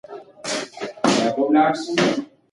که روغتیا وي نو غیرحاضري نه راځي.